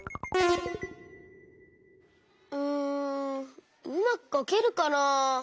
うんうまくかけるかなあ。